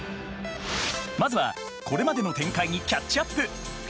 まずはこれまでの展開にキャッチアップ！